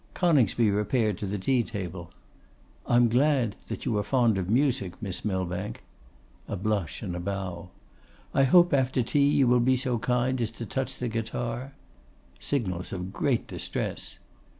Coningsby repaired to the tea table. 'I am glad that you are fond of music, Miss Millbank.' A blush and a bow. 'I hope after tea you will be so kind as to touch the guitar.' Signals of great distress.